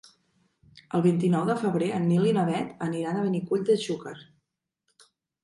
El vint-i-nou de febrer en Nil i na Bet aniran a Benicull de Xúquer.